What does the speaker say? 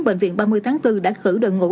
bệnh viện ba mươi tháng bốn đã khử đội ngũ